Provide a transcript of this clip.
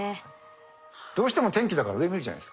どうしても天気だから上見るじゃないですか。